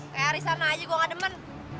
kayak hari sana aja gue gak demen